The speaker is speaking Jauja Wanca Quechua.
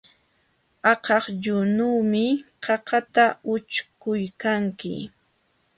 Akakllunuumi qaqata ućhkuykanki.